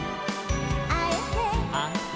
「あえて」「あえて」